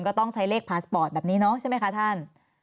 ก็ต้องใช้เลขพาสปอร์ตแบบนี้เนาะใช่ไหมคะท่าน